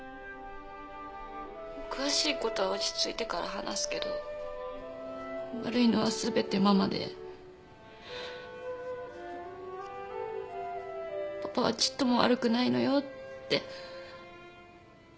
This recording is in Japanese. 「詳しい事は落ち着いてから話すけど」悪いのは全てママでパパはちっとも悪くないのよって。